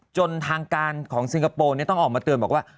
จนทางการของสิงคโปร์ต้องออกมาเตือนบอกว่า